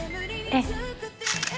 えっ？